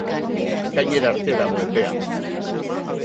Ekainera arte dago epea.